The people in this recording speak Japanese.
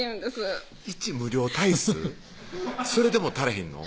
それでも足れへんの？